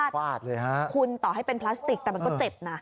ฟาดเลยฮะคุณต่อให้เป็นพลาสติกแต่มันก็เจ็บนะ